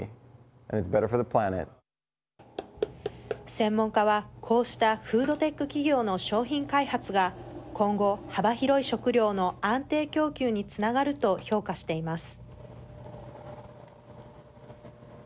専門家は、こうしたフードテック企業の商品開発が今後、幅広い食料の安定供給につながると評価しています。